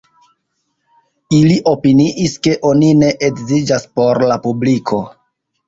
Ili opiniis, ke oni ne edziĝas por la publiko.